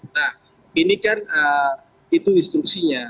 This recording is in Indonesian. nah ini kan itu instruksinya